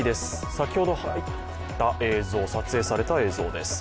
先ほど撮影された映像です。